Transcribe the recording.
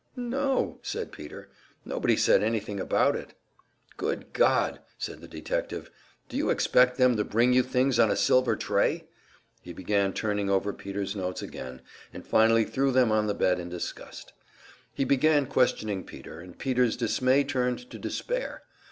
"N no," said Peter. "Nobody said anything about it." "Good God!" said the detective. "D'you expect them to bring you things on a silver tray?" He began turning over Peter's notes again, and finally threw them on the bed in disgust. He began questioning Peter, and Peter's dismay turned to despair.